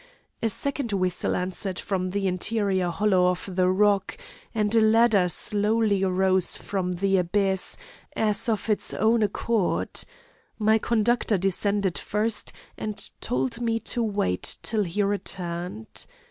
A second whistle answered from the interior hollow of the rock, and a ladder slowly rose from the abyss, as of its own accord. My conductor descended first, and told me to wait till he returned.